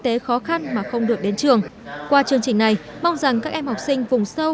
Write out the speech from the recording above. tế khó khăn mà không được đến trường qua chương trình này mong rằng các em học sinh vùng sâu